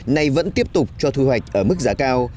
nay vẫn tiếp tục cho thu hoạch ở mức giá cao